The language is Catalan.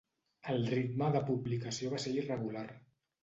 El ritme de publicació va ser irregular.